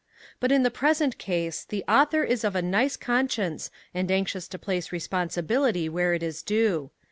But in the present case the author is of a nice conscience and anxious to place responsibility where it is due.